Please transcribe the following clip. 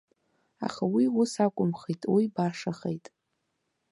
Аха уи ус акәымхеит, уи башахеит.